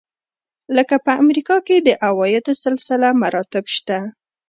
لکه په امریکا کې د عوایدو سلسله مراتب شته.